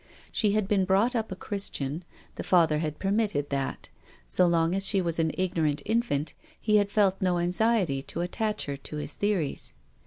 She had been brought up a Christian. The father had per mitted that. So long as she was an ignorant in fant he had felt no anxiety to attach her to his theories.